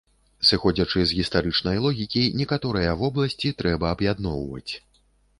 Сыходзячы з гістарычнай логікі, некаторыя вобласці трэба аб'ядноўваць.